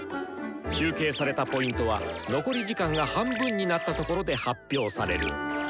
集計されたＰは残り時間が半分になったところで発表される。